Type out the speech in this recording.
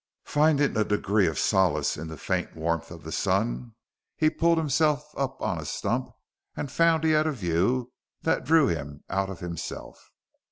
Finding a degree of solace in the faint warmth of the sun, he pulled himself up on a stump and found he had a view that drew him out of himself.